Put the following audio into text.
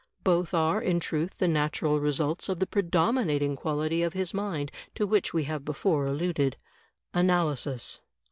Both are, in truth, the natural results of the predominating quality of his mind, to which we have before alluded, — analysis.'